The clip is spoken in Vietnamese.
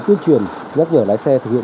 tuyên truyền nhắc nhở lái xe thực hiện